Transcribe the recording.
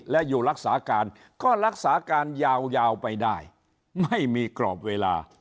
และอยู่รักษาการก็รักษาการยาวไปได้ไม่มีกรอบเวลา